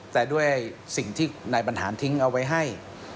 แต่ด้วยสิ่งที่นายบรรหารทิ้งเอาไว้ให้